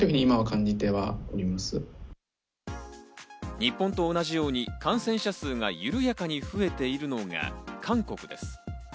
日本と同じように、感染者数が緩やかに増えているのが韓国です。